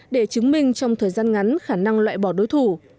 để chứng minh trong thời gian ngắn khả năng loại bỏ đối thủ